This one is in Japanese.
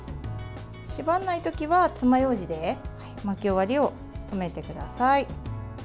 縛らない時は、つまようじで巻き終わりを留めてください。